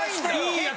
いいやつ？